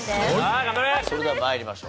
それでは参りましょう。